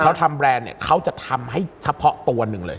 เขาทำแบรนด์เนี่ยเขาจะทำให้เฉพาะตัวหนึ่งเลย